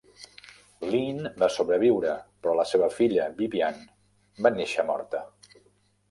Lynne va sobreviure, però la seva filla, Vivienne, va néixer morta.